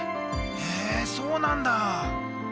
へえそうなんだ。